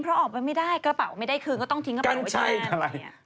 เพราะออกไปไม่ได้กระเป๋าไม่ได้คืนก็ต้องทิ้งที่แผนไว้ที่นั่น